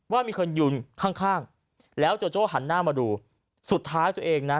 ว่ามีคนยืนข้างข้างแล้วโจโจ้หันหน้ามาดูสุดท้ายตัวเองนะ